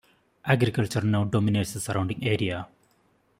Agriculture now dominates the surrounding area.